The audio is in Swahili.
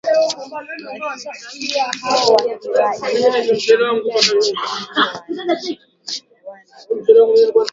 Washtakiwa hao wa kiraiaa ni pamoja na wanawake wane